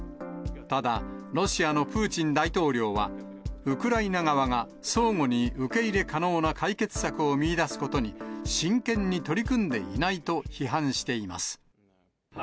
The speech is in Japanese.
ただロシアのプーチン大統領は、ウクライナ側が相互に受け入れ可能な解決策を見いだすことに真剣に取り組んでいないと批判しています。